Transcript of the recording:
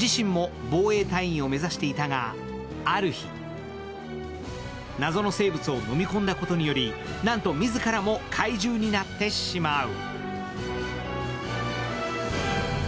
自身も防衛隊員を目指していたがある日謎の生物を飲み込んだことによりなんと自らも怪獣になってしまう。